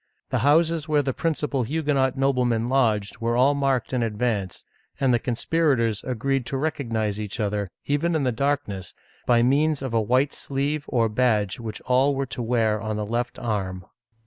The houses where the principal Huguenot noblemen lodged were all marked in advance, and the conspirators agreed to recognize each other, even in the darkness, by means of a white sleeve or badge which all were to wear on the left arm.